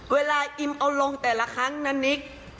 เวลาอิมเอาลงแต่ละครั้งนะนิก